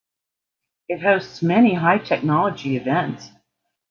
It hosts many high-technology events.